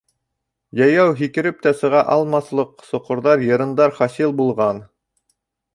Йәйәү һикереп тә сыға алмаҫлыҡ соҡорҙар, йырындар хасил булған.